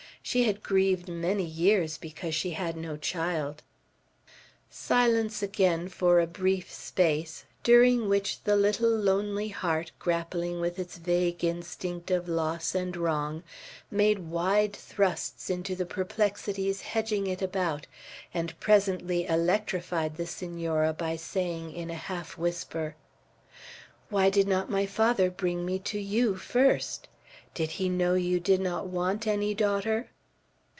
"She had grieved many years because she had no child." Silence again for a brief space, during which the little lonely heart, grappling with its vague instinct of loss and wrong, made wide thrusts into the perplexities hedging it about, and presently electrified the Senora by saying in a half whisper, "Why did not my father bring me to you first? Did he know you did not want any daughter?"